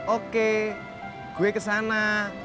oke gue kesana